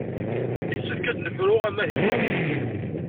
Yessefk ad d-nefru amahil-a.